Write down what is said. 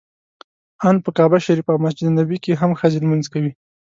ان په کعبه شریفه او مسجد نبوي کې هم ښځې لمونځ کوي.